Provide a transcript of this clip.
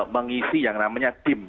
mengisi yang namanya dim